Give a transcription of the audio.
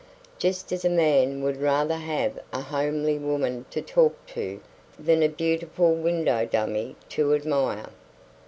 Just as a man would rather have a homely woman to talk to than a beautiful window dummy to admire.